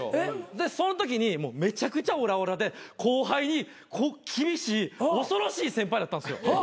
でそのときにめちゃくちゃオラオラで後輩に厳しい恐ろしい先輩だったんですよ。